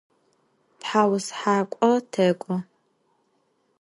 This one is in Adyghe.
ТхьаусхакӀо тэкӀо.